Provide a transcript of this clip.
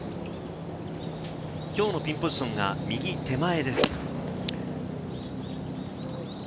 きょうのピンポジションが右手前です。